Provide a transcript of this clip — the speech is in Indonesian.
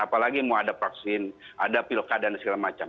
apalagi mau ada vaksin ada pilkada dan segala macam